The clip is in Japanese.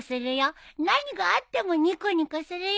何があってもニコニコするよ。